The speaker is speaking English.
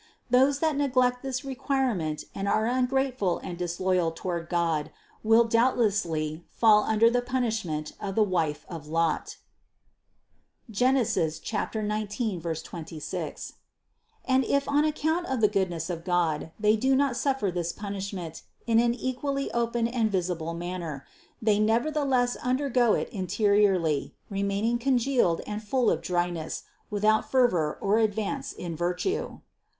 Those that neglect this requirement and are ungrateful and disloyal to ward God, will doubtlessly fall under the punishment of the wife of Lot (Gen. 19, 26), and if on account of the goodness of God they do not suffer this punishment in an equally open and visible manner, they nevertheless undergo it interiorly, remaining congealed and full of dryness, without fervor or advance in virtue.